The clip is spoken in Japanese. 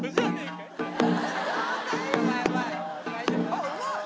あっうまい！